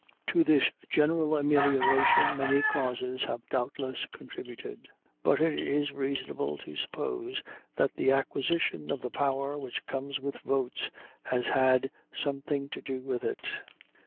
To this general amelioration many causes have doubtless contributed; but it is reasonable to suppose that the acquisition of the power which comes with votes has had something to do with it.